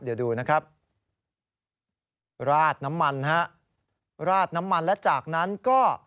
ราดน้ำมันฮะราดน้ำมันและจากนั้นก็